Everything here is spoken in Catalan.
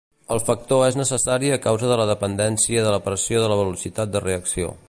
El factor és necessari a causa de la dependència de la pressió de la velocitat de reacció.